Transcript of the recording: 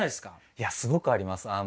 いやすごくあります。